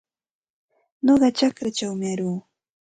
Nuqa chakraćhawmi aruu.